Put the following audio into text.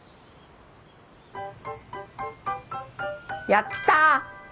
やったぁ！